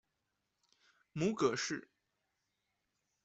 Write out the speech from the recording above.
母葛氏。